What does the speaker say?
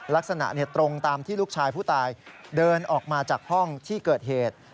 ลักษณะตรงตามที่ลูกชายผู้ตายเดินออกมาจากห้องที่เกิดเหตุ